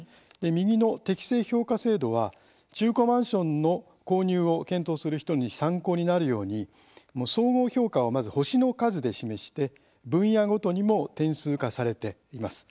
右の適正評価制度は中古マンションの購入を検討する人に参考になるように総合評価を、まず星の数で示して分野ごとにも点数化されています。